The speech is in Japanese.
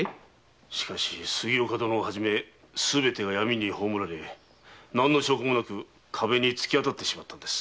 しかし杉岡殿をはじめすべてが闇に葬られ何の証拠もなく壁に突き当たってしまったのです。